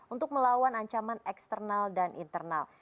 untuk melawan ancaman eksternal dan internal